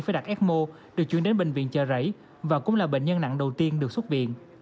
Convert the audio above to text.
phải đặt ecmo được chuyển đến bệnh viện chợ rẫy và cũng là bệnh nhân nặng đầu tiên được xuất viện